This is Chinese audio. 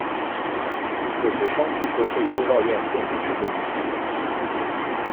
这是方济各会修道院建筑群的一部分。